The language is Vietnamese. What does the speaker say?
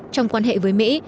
trong quan hệ với mỹ